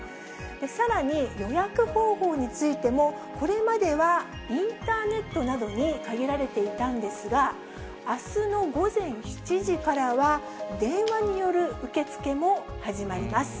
さらに予約方法についてもこれまではインターネットなどに限られていたんですが、あすの午前７時からは、電話による受け付けも始まります。